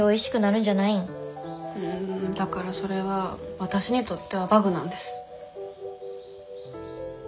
うんだからそれはわたしにとってはバグなんです。